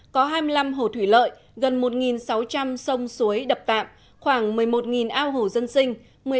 có hai mươi năm hồ thủy lợi gần một sáu trăm linh sông suối đập tạm khoảng một mươi một ao hồ dân sinh